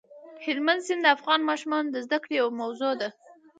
هلمند سیند د افغان ماشومانو د زده کړې یوه موضوع ده.